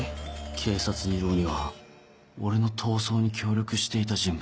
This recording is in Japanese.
警察にいる鬼は俺の逃走に協力していた人物。